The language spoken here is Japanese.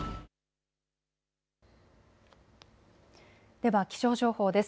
では気象情報情報です。